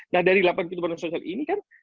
nah dari delapan pintu bantuan sosial ini kan